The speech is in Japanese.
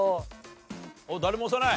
誰も押さない？